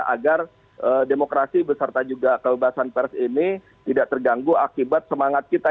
agar demokrasi beserta juga kebebasan pers ini tidak terganggu akibat semangat kita